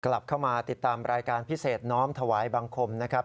กลับเข้ามาติดตามรายการพิเศษน้อมถวายบังคมนะครับ